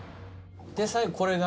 最後これが？